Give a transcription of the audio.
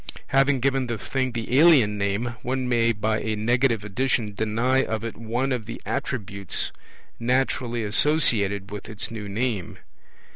Having given the thing the alien name, one may by a negative addition deny of it one of the attributes naturally associated with its new name.